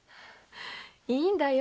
いいんだよ。